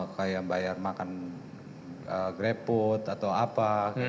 kayak bayar makan grepot atau apa